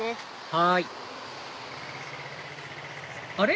はいあれ？